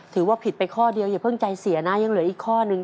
ถือว่าผิดไปข้อเดียวอย่าเพิ่งใจเสียนะยังเหลืออีกข้อนึง